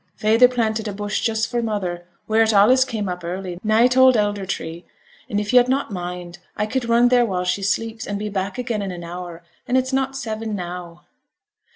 Feyther planted a bush just for mother, wheere it allays came up early, nigh t' old elder tree; and if yo'd not mind, I could run theere while she sleeps, and be back again in an hour, and it's not seven now.'